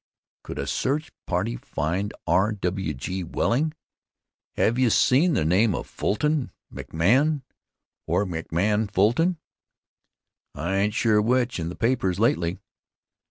Could a search party find R. W. G. Welling? Have you seen the name of Fulton McMahon or McMahon Fulton I ain't sure which in the papers lately?